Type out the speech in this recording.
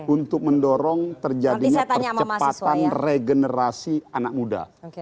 untuk mendorong terjadinya percepatan regenerasi anak muda